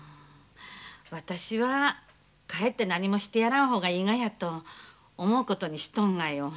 私はかえって何もしてやらん方がいいがやと思うことにしとんがよ。